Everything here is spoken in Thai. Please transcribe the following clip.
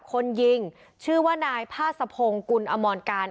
คนยิงชื่อว่านายพาสะพงศ์กุลอมรการ